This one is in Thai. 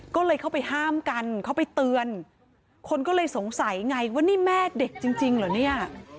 ก็เลยเข้าไปห้ามกันเข้าไปเตือนคนก็เลยสงสัยไงว่านี่แม่เด็กจริงเหรอเนี่ย